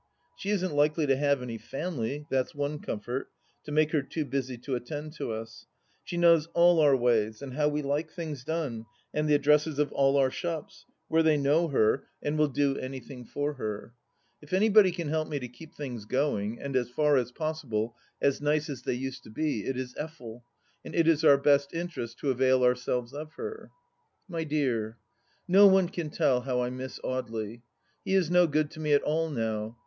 She isn't likely to have any family, that's one comfort, to make her too busy to attend to us. She knows all our ways and how we like things done and the addresses of a our shops, where they know her and would 196 THE LAST DITCH do anything for her. If anybody can help me to keep things going, and as far as possible as nice as they used to be, it is Effel, and it is our best interest to avail ourselves of her. My dear, no one can tell how I miss Audely ! He is no good to me at all now.